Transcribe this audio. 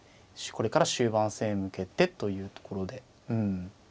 これから終盤戦へ向けてというところで。